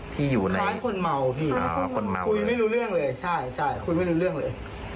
ที่อยู่ในร้านคนเมาพี่คนเมาคุยไม่รู้เรื่องเลยใช่ใช่คุยไม่รู้เรื่องเลย